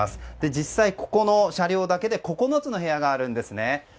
実際、ここの車両だけで９つの部屋があるんですね。